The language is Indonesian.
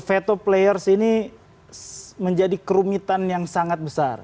fetoplayers ini menjadi kerumitan yang sangat besar